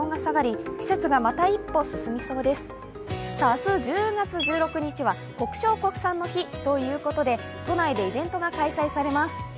明日１０月１６日は国消国産の日ということで、都内でイベントが開催されます。